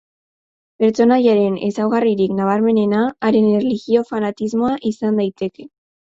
Pertsonaiaren ezaugarririk nabarmenena haren erlijio-fanatismoa izan daiteke.